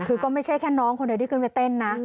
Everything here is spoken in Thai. คือก็ไม่ใช่แค่น้องคนเดียวที่ขึ้นไปเต้นนะ